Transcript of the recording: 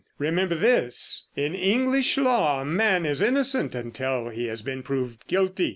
Remember this: In English law a man is innocent until he has been proved guilty.